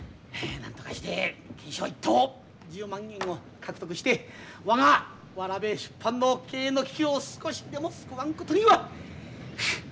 なんとかして懸賞１等１０万円を獲得して我がわらべ出版の経営の危機を少しでも救わんことには！